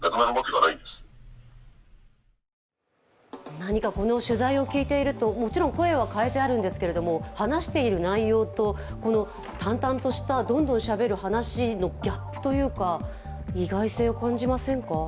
何かこの取材を聞いていると、もちろん声は変えてあるんですけども話している内容と淡々とした、どんどんしゃべる話のギャップというか意外性を感じませんか？